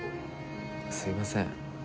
すいません。